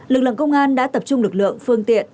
lực lượng công an đã tập trung lực lượng phương tiện